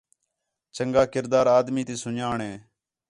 چَنڳا کردار آدمی تی سُن٘ڄاݨ ہے